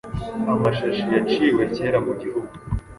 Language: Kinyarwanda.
amashashi yaciwe cyera mugihugu